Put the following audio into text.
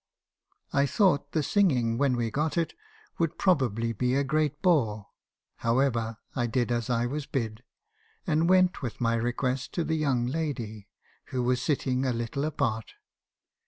"I thought the singing, when we got it, would probably be a great bore; however, I did as I was bid, and went with my request to the young lady, who was sitting a little apart.